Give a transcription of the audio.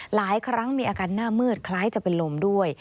หลายครั้งมีอาการหน้ามืดคล้ายจะเป็นลมด้วย